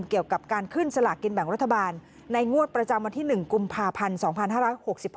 เกี่ยวกับการขึ้นสลากกินแบ่งรัฐบาลในงวดประจำวันที่๑กุมภาพันธ์๒๕๖๖